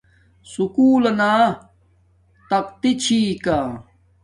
سکُول لنا تقتی چھی کا